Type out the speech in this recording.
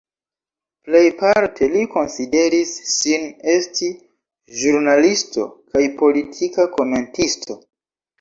Plejparte li konsideris sin esti ĵurnalisto kaj politika komentisto.